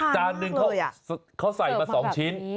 จานนึงเขาใส่มา๒ชิ้น